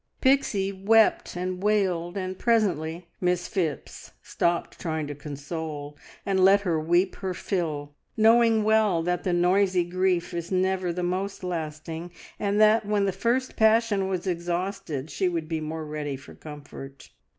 Pixie wept and wailed, and presently Miss Phipps stopped trying to console, and let her weep her fill, knowing well that the noisy grief is never the most lasting, and that when the first passion was exhausted she would be more ready for comfort.